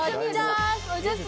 おじゃす！